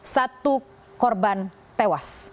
satu korban tewas